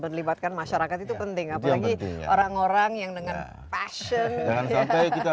berlibatkan masyarakat itu penting apalagi orang orang yang dengan passion sampai kita